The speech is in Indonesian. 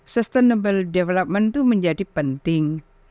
sustainable development itu menjadi penting